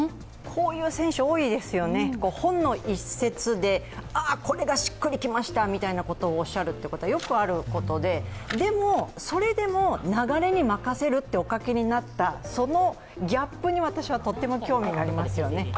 こういう選手、多いですよね、本の一説で、ああ、これがしっくり来ましたとおっしゃることはよくあることで、それでも流れに任せるとお書きになった、そのギャップに私はとても興味がありますよね。